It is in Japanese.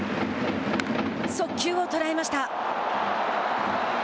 速球を捉えました。